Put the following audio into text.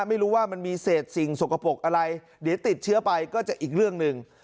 ไม่รู้ว่ามันมีเศษสิ่งสกปรกอะไรเดี๋ยวติดเชื้อไปก็จะอีกเรื่องหนึ่ง